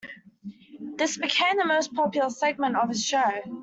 This became the most popular segment of his show.